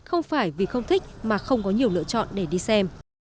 không phải vì không thích mà không có nhiều lựa chọn để đi xem